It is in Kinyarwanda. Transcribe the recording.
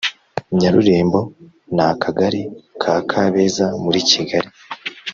Nyarurembo na Akagali ka Kabeza muri Kigali